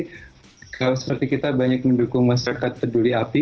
kalau seperti kita banyak mendukung masyarakat peduli api